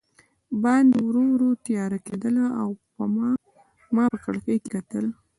باندې ورو ورو تیاره کېدل او ما په کړکۍ کې کتل.